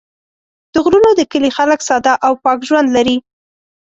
د غرونو د کلي خلک ساده او پاک ژوند لري.